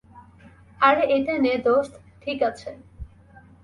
আরে এটা নে দোস্ত - ঠিক আছে।